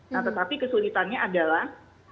nah tetapi kesulitannya adalah